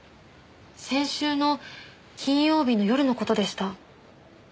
先週の金曜日の夜の事でした。